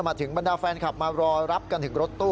ถึงบรรดาแฟนคลับมารอรับกันถึงรถตู้